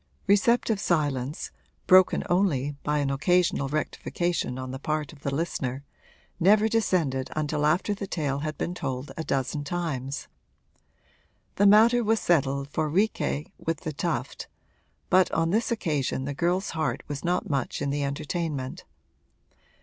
Receptive silence, broken only by an occasional rectification on the part of the listener, never descended until after the tale had been told a dozen times. The matter was settled for 'Riquet with the Tuft,' but on this occasion the girl's heart was not much in the entertainment.